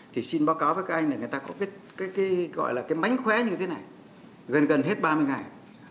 thì xin báo cáo với các anh này người ta có cái gọi là cái mánh khóe như thế này gần gần hết ba mươi ngày